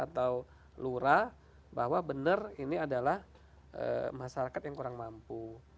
jadi kita harus memiliki kesempatan yang bisa atau lura bahwa benar ini adalah masyarakat yang kurang mampu